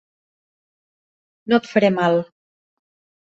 No et faré mal.